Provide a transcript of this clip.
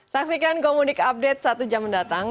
saksikan gomudik update satu jam mendatang